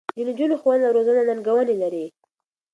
د نجونو ښوونه او روزنه ننګونې لري.